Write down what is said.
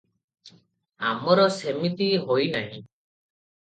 ଆମର ସେମିତି ହୋଇନାହିଁ ।